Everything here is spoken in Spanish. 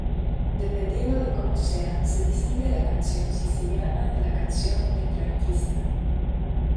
Dependiendo de cómo sean se distingue la canción siciliana de la canción petrarquista.